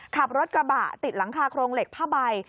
ขับรถกระบะติดหลังคาโครงเหล็กผ้าใบ